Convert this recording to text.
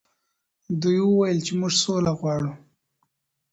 دوی وویل چې موږ سوله غواړو.